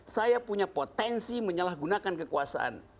saya punya potensi menyalahgunakan kekuasaan